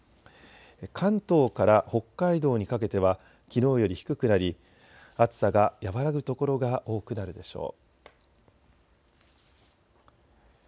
関東から北海道にかけてはきのうより低くなり暑さが和らぐ所が多くなるでしょう。